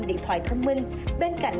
điện thoại thông minh bên cạnh